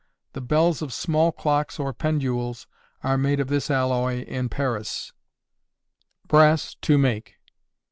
The bells of small clocks or pendules are made of this alloy in Paris. _Brass to Make.